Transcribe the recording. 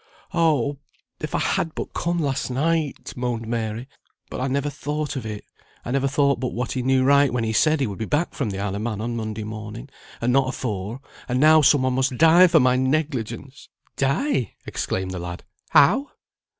"Oh! if I had but come last night!" moaned Mary. "But I never thought of it. I never thought but what he knew right when he said he would be back from the Isle of Man on Monday morning, and not afore and now some one must die for my negligence!" "Die!" exclaimed the lad. "How?"